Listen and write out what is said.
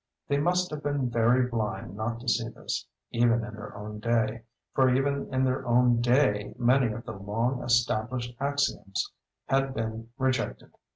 They must have been very blind not to see this, even in their own day; for even in their own day many of the long "established" axioms had been rejected.